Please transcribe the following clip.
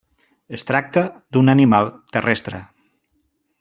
Es tracta d'un animal terrestre.